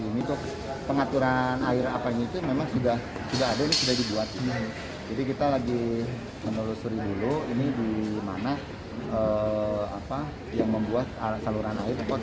hal ini juga pernah terjadi karena memang kontur tanahnya yang menurun